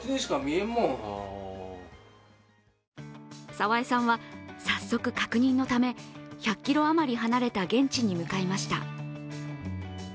澤江さんは早速、確認のため１００ｋｍ余り離れた現地に向かいました。